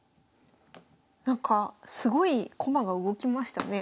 なんかすごい駒が動きましたね。